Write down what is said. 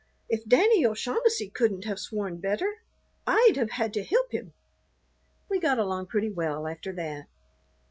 If Danny O'Shaughnessy couldn't have sworn better, I'd have had to hilp him." We got along pretty well after that.